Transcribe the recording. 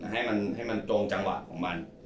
ให้มันตรงจังหวะของมัน